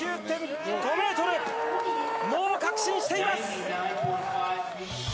もう確信しています。